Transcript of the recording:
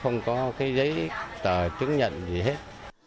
không có cái giấy tờ chứng nhận gì hết